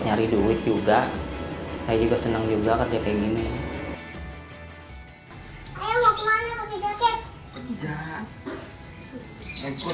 nyari duit juga saya juga senang juga kerja kayak gini ya ayo mau kemana pakai jaket